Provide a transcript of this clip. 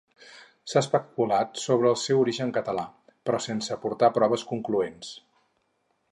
S'ha especulat sobre el seu origen català, però sense aportar proves concloents.